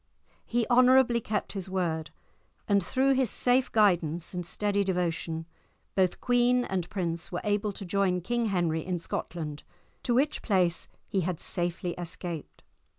He honourably kept his word; and through his safe guidance and steady devotion, both queen and prince were able to join King Henry in Scotland, to which place he had safely escaped.